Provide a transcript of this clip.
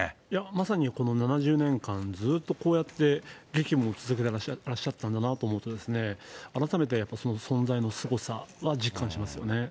まさにこの７０年間ずっとこうやって激務を続けてらっしゃったんだなと思うとですね、改めてその存在のすごさを実感しますよね。